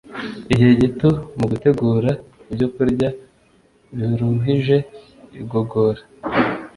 igihe gito mu gutegura ibyokurya biruhije igogora